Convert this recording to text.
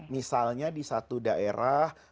misalnya di satu daerah